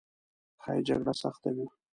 ښایي جګړه سخته وه.